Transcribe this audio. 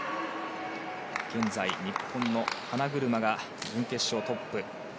現在日本の花車が準決勝トップ。